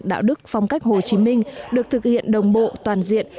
đạo đức phong cách hồ chí minh được thực hiện đồng bộ toàn diện